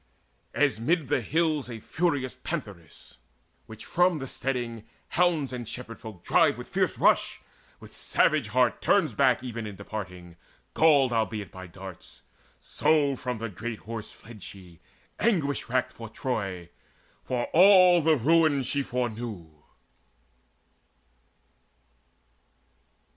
As mid the hills a furious pantheress, Which from the steading hounds and shepherd folk Drive with fierce rush, with savage heart turns back Even in departing, galled albeit by darts: So from the great Horse fled she, anguish racked For Troy, for all the ruin she foreknew.